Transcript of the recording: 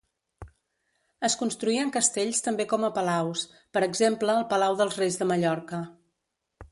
Es construïen castells també com a palaus, per exemple el Palau dels Reis de Mallorca.